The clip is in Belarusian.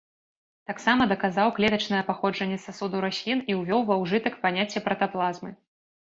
Таксама даказаў клетачнае паходжанне сасудаў раслін і ўвёў ва ўжытак паняцце пратаплазмы.